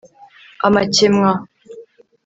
amakemwa